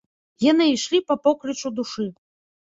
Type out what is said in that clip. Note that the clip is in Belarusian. Яны ішлі па поклічу душы.